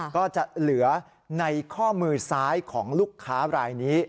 ก็จะเหลือในข้อมือซ้ายของลูกค้ารายนี้